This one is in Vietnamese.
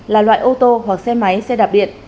là loại ô tô hoặc xe máy xe đạp điện